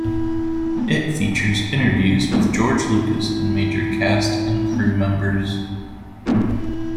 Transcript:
It features interviews with George Lucas and major cast and crew members.